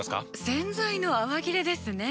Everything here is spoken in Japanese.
洗剤の泡切れですね。